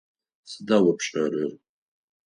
Сыда о пшӏэрэр?